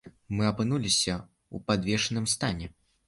Мы апынуліся ў падвешаным стане.